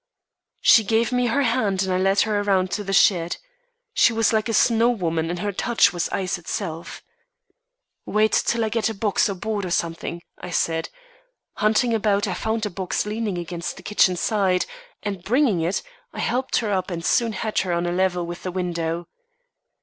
She gave me her hand and I led her around to the shed. She was like a snow woman and her touch was ice itself. "Wait till I get a box or board or something," I said. Hunting about, I found a box leaning against the kitchen side, and, bringing it, I helped her up and soon had her on a level with the window.